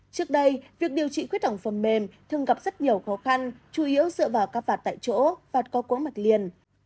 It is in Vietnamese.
trước đây việc điều trị khuyết thổng phần mềm thường gặp rất nhiều khó khăn chủ yếu dựa vào các vặt tại chỗ vặt có cuống mặt liền